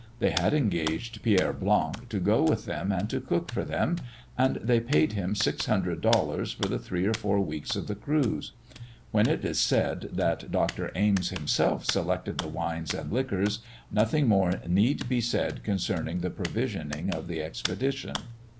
They had engaged Pierre Blanc to go with them and to cook for them, and they paid him six hundred dollars for the three or four weeks of the cruise. When it is said that Dr. Ames himself selected the wines and liquors, nothing more need be said concerning the provisioning of the expedition.